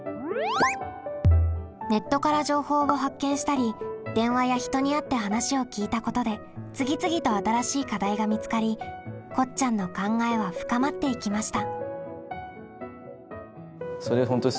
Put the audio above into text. ネットから情報を発見したり電話や人に会って話を聞いたことで次々と新しい課題が見つかりこっちゃんの考えは深まっていきました。